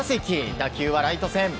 打球はライト線。